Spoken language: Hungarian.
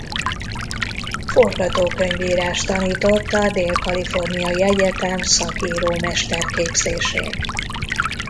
Forgatókönyvírást tanított a Dél-kaliforniai Egyetem szakíró mesterképzésén.